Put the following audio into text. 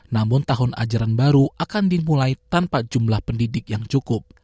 namun tahun ajaran baru akan dimulai tanpa jumlah pendidik yang cukup